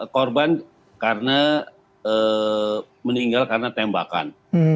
korban karena meninggal karena tembakan